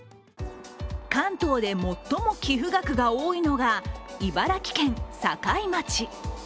関東で最も寄付額が大きいのが茨城県境町。